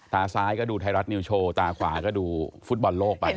ตาซ้ายก็ดูไทยรัฐนิวโชว์ตาขวาก็ดูฟุตบอลโลกไป